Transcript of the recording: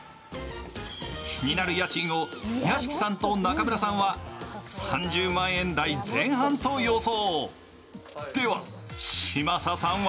気になる家賃を屋敷さんと中村さんは３０万円前半と予想。